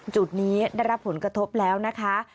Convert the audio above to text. จุดนี้ได้รับผลกระทบแล้วนะคะ